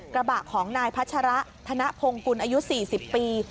กระบะของนายพัชระธนพงกุลอายุ๔๐ปี